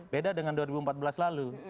beda dengan dua ribu empat belas lalu